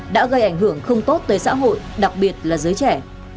đã gây ảnh hưởng không tốt tới xã hội đặc biệt là giới trẻ